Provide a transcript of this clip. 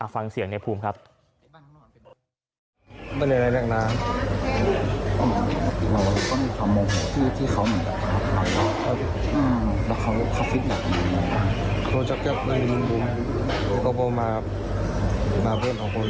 ฟังเสียงในภูมิครับ